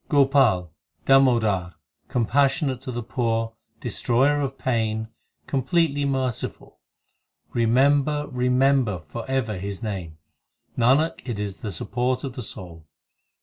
Gopal, Damodar, compassionate to the poor, Destroyer of pain, completely merciful Remember, remember for ever His name ; Nanak, it is the support of the soul.